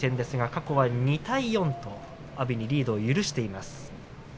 過去は２対４、阿炎にリードを許しています。